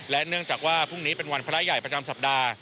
เนื่องจากว่าพรุ่งนี้เป็นวันพระใหญ่ประจำสัปดาห์